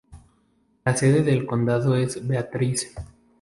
La sede del condado es Beatrice.